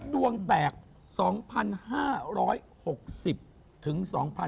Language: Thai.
ดวงแตก๒๕๖๐ถึง๒๕๖๒